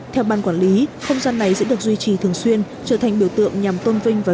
theo ban quản lý không gian này sẽ được duy trì thường xuyên trở thành biểu tượng nhằm tôn vinh và